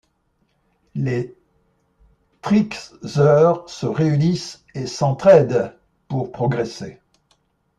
Les trickzeurs se réunissent et s'entre-aident pour progresser.